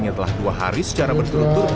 yang telah dua hari secara berterutur